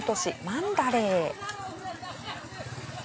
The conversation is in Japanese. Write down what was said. マンダレー。